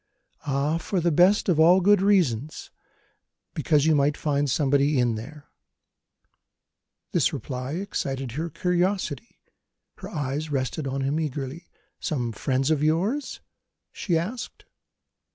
"Ah, for the best of all good reasons! Because you might find somebody in there." This reply excited her curiosity: her eyes rested on him eagerly. "Some friend of yours?" she asked.